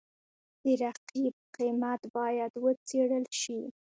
د رقیب قیمت باید وڅېړل شي.